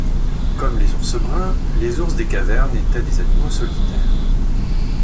Comme les ours bruns, les ours des cavernes étaient des animaux solitaires.